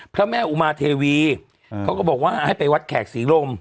พระแม่อุมาเทวีเขาก็บอกว่าให้ไปวัดแขกศรีลม